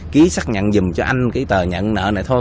ký xác nhận dùng cho anh cái tờ nhận nợ này thôi